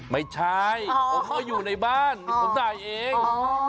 ไม่ใช่เขาอยู่ในบ้านเป็นของใส่เอง